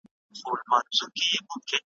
په درمل پسي د سترګو یې کتله `